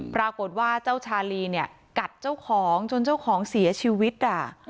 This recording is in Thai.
ปรากฏว่าเจ้าชาลีเนี่ยกัดเจ้าของจนเจ้าของเสียชีวิตอ่ะ